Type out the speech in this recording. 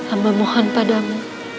amba mohon padamu